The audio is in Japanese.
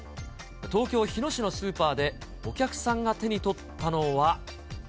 東京・日野市のスーパーで、お客さんが手に取ったのは。